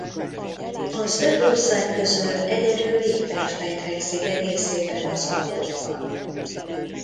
Az öt ország közül egyedül Liechtenstein fekszik egészében az Alpokban.